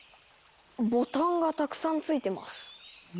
ボタンがたくさん付いてます。